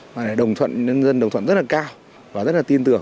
và đồng thuận nhân dân đồng thuận rất là cao và rất là tin tưởng